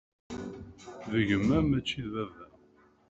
D gma, mačči d baba.